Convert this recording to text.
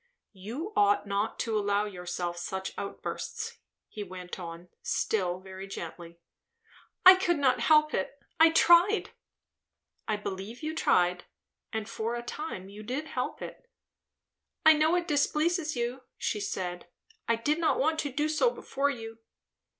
"You ought not to allow yourself such outbursts," he went on, still very gently. "I could not help it. I tried " "I believe you tried; and for a time you did help it." "I know it displeases you," she said. "I did not want to do so before you."